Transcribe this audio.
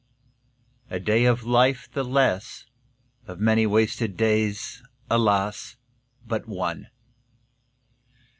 A day of life the less; Of many wasted days, alas, but one!